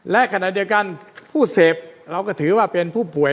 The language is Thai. และขณะเดียวกันผู้เสพเราก็ถือว่าเป็นผู้ป่วย